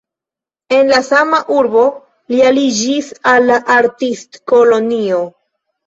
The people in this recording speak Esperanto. En la sama urbo li aliĝis al la artistkolonio.